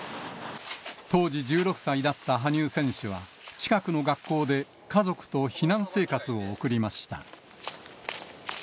当時１６歳だった羽生選手は、近くの学校で家族と避難生活を送りました。